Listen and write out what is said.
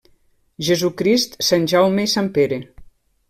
Jesucrist, sant Jaume i sant Pere.